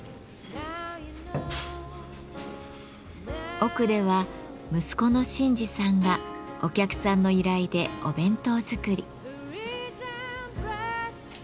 奥では息子の晋司さんがお客さんの依頼でお弁当づくり。